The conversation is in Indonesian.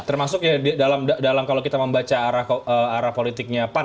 termasuk ya dalam kalau kita membaca arah politiknya pan